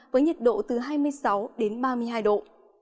với nhiệt độ từ hai mươi sáu đến ba mươi hai độ